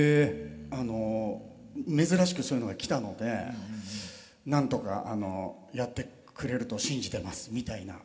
あの珍しくそういうのが来たので「なんとかやってくれると信じてます」みたいな。